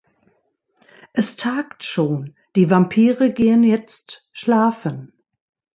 Es tagt schon, die Vampire gehen jetzt schlafen.